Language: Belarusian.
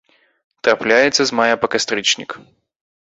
Трапляецца з мая па кастрычнік.